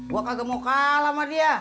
gue kagak mau kalah sama dia